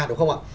đúng không ạ